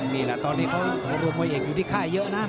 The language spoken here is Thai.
นี่แหละตอนนี้เขารวมมวยเอกอยู่ที่ค่ายเยอะนะ